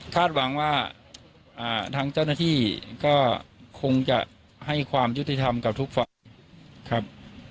หวังว่าทางเจ้าหน้าที่ก็คงจะให้ความยุติธรรมกับทุกฝ่ายครับ